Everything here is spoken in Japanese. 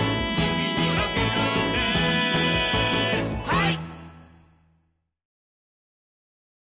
はい！